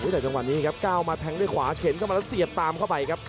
แต่จังหวะนี้ครับก้าวมาแทงด้วยขวาเข็นเข้ามาแล้วเสียบตามเข้าไปครับ